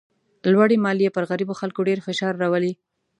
لوړې مالیې پر غریبو خلکو ډېر فشار راولي.